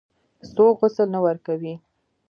څوک غسل نه ورکوي.